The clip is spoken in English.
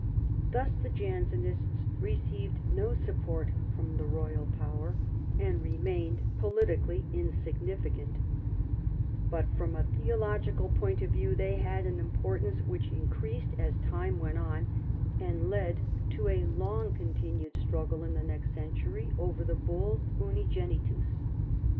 Thus the Jansenists received no support from the royal power, and remained politically insignificant But from a theological point of view they had an importance which increased as time went on, and led to a long continued struggle in the next century over the Bull Unigenitus.